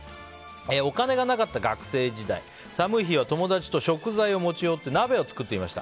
お金がなかった学生時代寒い日に友達と食材を持ち寄って鍋を作っていました。